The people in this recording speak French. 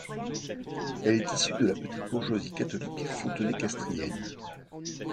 Elle est issue de la petite bourgeoisie catholique fontenaicastrienne.